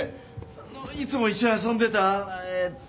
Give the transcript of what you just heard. あのいつも一緒に遊んでたえ。